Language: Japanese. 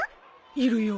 いるよ。